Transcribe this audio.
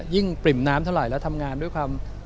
ปริ่มน้ำเท่าไหร่แล้วทำงานด้วยความ